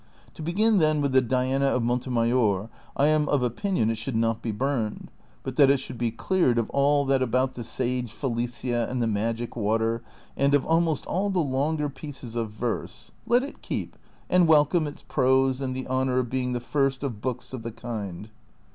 To begin, then, with the ' Diana ' of Montemayor. I am of opinion it should not be burned, but that it should be cleared of all that about the sage Felicia and the magic water, and of almost all the longer pieces of verse ; let it keep, and welcome, its prose and the honor of being the first of books of the kind."